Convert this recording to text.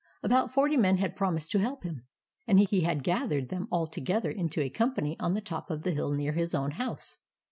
About forty men had promised to help him, and he had gathered them all to gether into a company on the top of the hill near his own house.